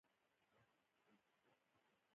د کتاب پاڼې د معرفت نړۍ ده.